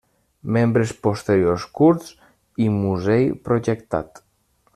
Membres posteriors curts i musell projectat.